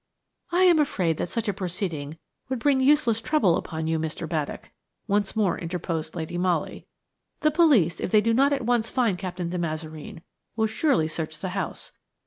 "I am afraid that such a proceeding would bring useless trouble upon you, Mr. Baddock," once more interposed Lady Molly; "the police, if they do not at once find Captain de Mazareen, will surely search the house."